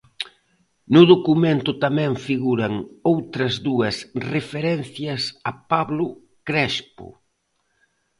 No documento tamén figuran outras dúas referencias a Pablo Crespo.